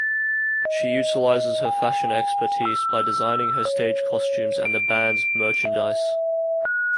She utilises her fashion expertise by designing her stage costumes and the band's merchandise.